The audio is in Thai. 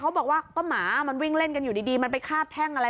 เขาบอกว่าก็หมามันวิ่งเล่นกันอยู่ดีมันไปคาบแท่งอะไร